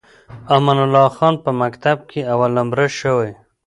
امان الله خان په مکتب کې اول نمره شوی.